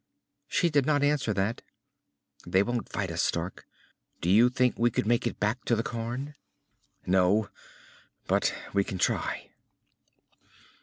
She did not answer that. "They won't fight us, Stark. Do you think we could make it back to the cairn?" "No. But we can try."